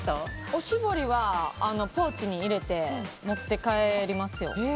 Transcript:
おしぼりはポーチに入れて持って帰りますよ。